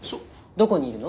どこにいるの？